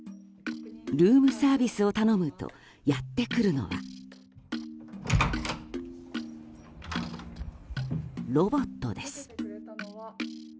ルームサービスを頼むとやってくるのはロボットです。